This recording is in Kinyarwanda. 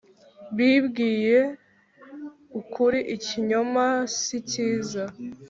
Bibwiye ukuri ikinyoma sikiza